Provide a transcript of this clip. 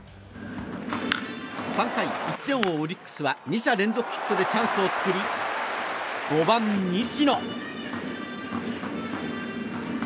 ３回、１点を追うオリックスは２者連続ヒットでチャンスを作り５番、西野。